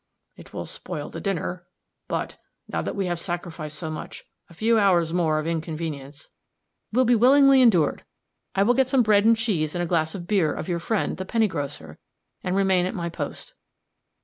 "It will spoil the dinner. But, now that we have sacrificed so much, a few hours more of inconvenience " "Will be willingly endured. I will get some bread and cheese and a glass of beer of your friend, the penny grocer, and remain at my post."